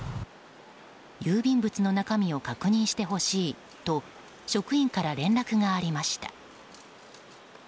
郵便物の中身を確認してほしいと職員から連絡がありました。